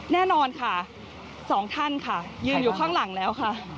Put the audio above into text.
แน่นอนค่ะสองท่านค่ะยืนอยู่ข้างหลังแล้วค่ะ